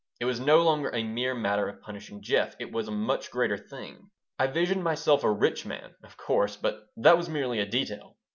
It was no longer a mere matter of punishing Jeff. It was a much greater thing. I visioned myself a rich man, of course, but that was merely a detail.